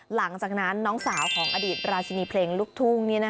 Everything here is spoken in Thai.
หลังจากนั้นน้องสาวของอดีตราชินีเพลงลูกทุ่ง